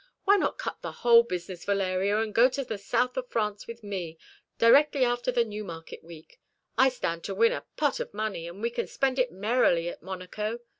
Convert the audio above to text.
Why not cut the whole business, Valeria, and go to the south of France with me, directly after the Newmarket week? I stand to win a pot of money, and we can spend it merrily at Monaco.